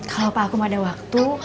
kalau pak akum ada waktu